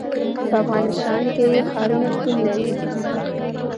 په افغانستان کې ښارونه شتون لري.